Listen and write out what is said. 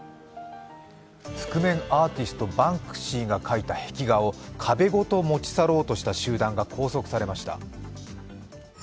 覆面アーティストバンクシーが描いた壁画を壁ごと持ち去ろうとした集団が拘束されました。